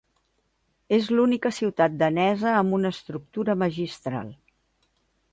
És l'única ciutat danesa amb una estructura magistral.